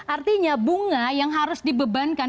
artinya bunga yang harus dibebankan